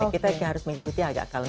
kita harus mengikuti agak kalah